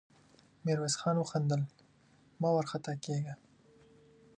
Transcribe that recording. ميرويس خان وخندل: مه وارخطا کېږه!